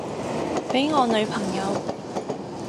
畀我女朋友